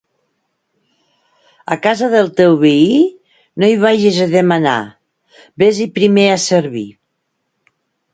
A casa del teu veí, no hi vagis a demanar; ves-hi primer a servir.